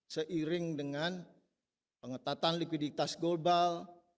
seiring dengan pengetatan likuiditas global